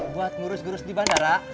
buat ngurus ngurus di bandara